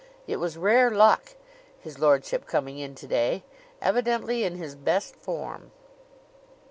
It was rare luck his lordship coming in to day, evidently in his best form.